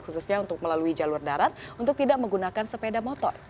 khususnya untuk melalui jalur darat untuk tidak menggunakan sepeda motor